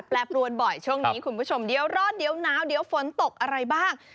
แปรปรวนบ่อยช่วงนี้คุณผู้ชมเดี๋ยวร้อนเดี๋ยวหนาวเดี๋ยวฝนตกอะไรบ้าง